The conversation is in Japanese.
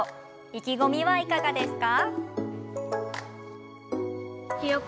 意気込みは、いかがですか？